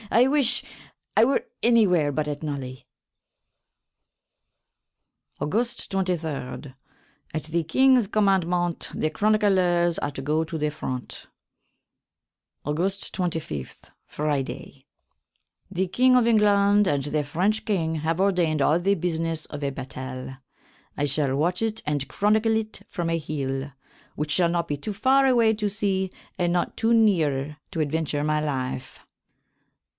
I wysh I were anywhere but at Nully. August 23. At the Kynge's commandment the chronyclers are to go to the fronte. August 25, Friday. The Kynge of Englande and the French Kynge have ordayned all the business of a batayle. I shall watch it and chronycle it from a hill, which shall not be too farre away to see and not too neare to adventure my lyfe.